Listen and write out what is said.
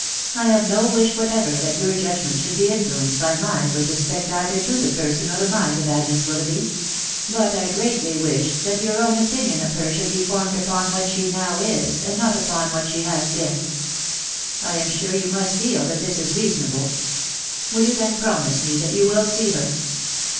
... I have no wish whatever that your judgment should be influenced by mine with respect either to the person or the mind of Agnes Willoughby ; but I greatly wish that your own opinion of her should be formed upon what she now is, and not upon what she has been. I am sure yon must feel that this is reasonable. ... Will you then promise me that you will see her